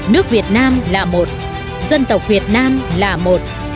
nước việt nam là một dân tộc việt nam là một